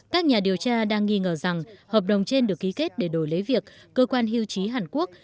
các nhà điều tra đang nghi ngờ rằng hợp đồng trên được ký kết để đổi lấy việc cơ quan hiêu trí hàn quốc